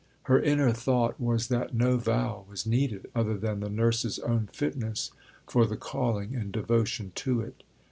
Her inner thought was that no vow was needed other than the nurse's own fitness for the calling and devotion to it.